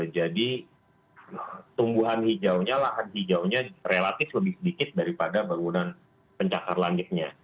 jadi tumbuhan hijaunya lahan hijaunya relatif lebih sedikit daripada bangunan pencakar langitnya